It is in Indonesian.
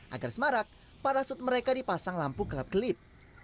agar semarak parasut mereka dipasang lampu gelap gelip